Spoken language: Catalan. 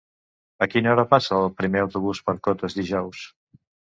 A quina hora passa el primer autobús per Cotes dijous?